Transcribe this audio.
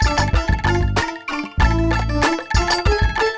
aduh aku bebe